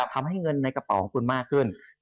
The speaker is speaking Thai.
ทำให้เงินในกระเป๋าของคุณมากขึ้น